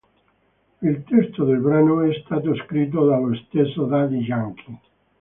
Il testo del brano è stato scritto dallo stesso Daddy Yankee.